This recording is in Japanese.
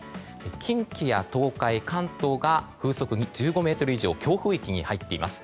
近畿や東海、関東が風速１５メートル以上強風域に入っています。